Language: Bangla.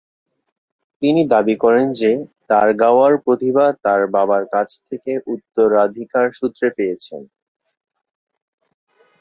তিনি দাবি করেন যে তাঁর গাওয়ার প্রতিভা তাঁর বাবার কাছ থেকে উত্তরাধিকারসূত্রে পেয়েছেন।